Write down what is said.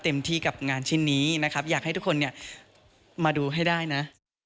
ที่กับงานชิ้นนี้นะครับอยากให้ทุกคนเนี่ยมาดูให้ได้นะ